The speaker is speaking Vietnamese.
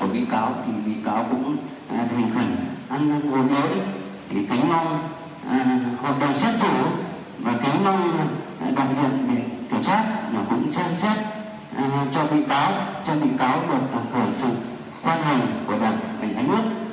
bị cáo lê đình công kính mong hội đồng xét xử và kính mong đại diện viện kiểm sát cũng xem xét cho bị cáo cho bị cáo được hưởng sự khoan hồng của đảng bình hải nước